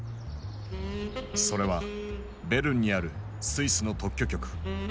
それはベルンにあるスイスの特許局。